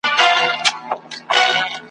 سره مخامخ کیدل